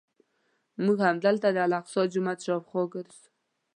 موږ همدلته د الاقصی جومات شاوخوا ګرځو.